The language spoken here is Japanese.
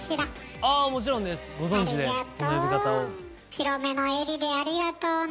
広めの襟でありがとうね。